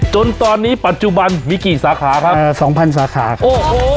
จนตอนนี้ปัจจุบันมีกี่สาขาครับเอ่อสองพันสาขาโอ้โห